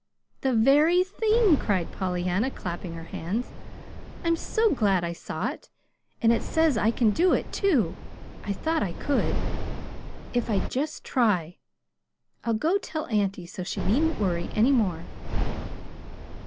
"The very thing!" cried Pollyanna, clapping her hands. "I'm so glad I saw it! And it says I can do it, too. I thought I could, if I'd just try. I'll go tell auntie, so she needn't worry any more."